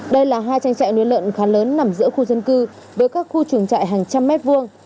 đây là hai trang trại nuôi lợn khá lớn nằm giữa khu dân cư với các khu trường trại hàng trăm mét vuông